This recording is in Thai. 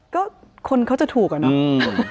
ก็คนเขาจะถูกอะเนาะ